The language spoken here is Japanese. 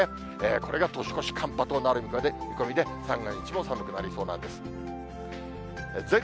これが年越し寒波となる見込みで、三が日も寒くなりそうなんです。